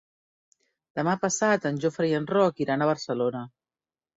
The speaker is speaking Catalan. Demà passat en Jofre i en Roc iran a Barcelona.